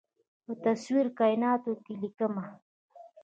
په تصویر د کائیناتو کې ليکمه